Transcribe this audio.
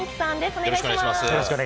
お願いします。